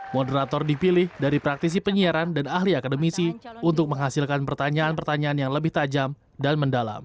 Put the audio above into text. moderator dipilih dari praktisi penyiaran dan ahli akademisi untuk menghasilkan pertanyaan pertanyaan yang lebih tajam dan mendalam